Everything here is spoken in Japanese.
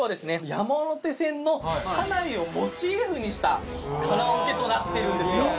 山手線の車内をモチーフにしたカラオケとなっているんですよ・